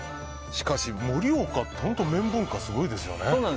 しかし盛岡って本当、麺文化すごいですよね。